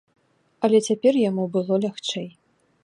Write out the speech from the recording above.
Але цяпер яму было лягчэй.